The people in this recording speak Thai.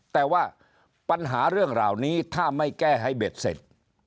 แต่ว่าปัญหาเรื่องเหล่านี้ถ้าไม่แก้ให้เบ็ดเสร็จ